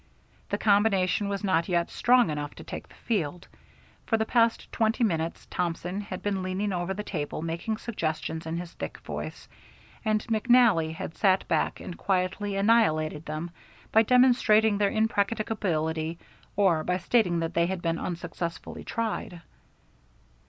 The combination was not yet strong enough to take the field. For the past twenty minutes Thompson had been leaning over the table making suggestions in his thick voice, and McNally had sat back and quietly annihilated them by demonstrating their impracticability, or by stating that they had been unsuccessfully tried.